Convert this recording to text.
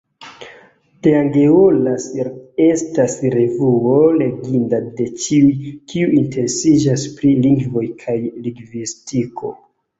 Teangeolas estas revuo leginda de ĉiuj, kiuj interesiĝas pri lingvoj kaj lingvistiko.